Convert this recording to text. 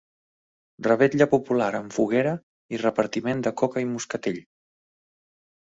Revetlla popular amb foguera i repartiment de coca i moscatell.